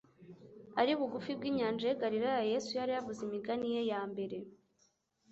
Ari bugufi bw'inyanja y'i Galilaya, Yesu yari yavuze imigani ye ya mbere,